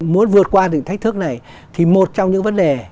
muốn vượt qua những thách thức này thì một trong những vấn đề